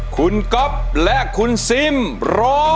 คุณก๊อฟและคุณซิมร้อง